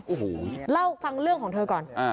โอ้โหเล่าฟังเรื่องของเธอก่อน